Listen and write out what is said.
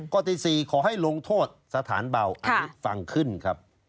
ที่๔ขอให้ลงโทษสถานเบาอันนี้ฟังขึ้นครับ